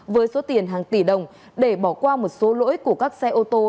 với số tiền hàng tỷ đồng để bỏ qua một số lỗi của các xe ô tô